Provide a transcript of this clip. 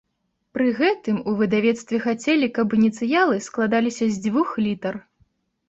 Пры гэтым, у выдавецтве хацелі, каб ініцыялы складаліся з дзвюх літар.